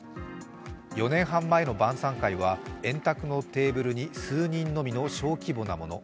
４年半前の晩さん会は円卓のテーブルに数人のみの小規模なもの。